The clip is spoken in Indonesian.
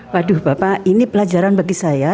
waduh bapak ini pelajaran bagi saya